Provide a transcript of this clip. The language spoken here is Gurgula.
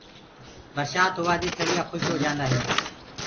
برشآت هووآ دي ٿݪيآ کُش هوجآنٚدآ هينٚ